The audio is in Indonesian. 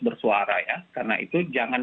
bersuara ya karena itu jangan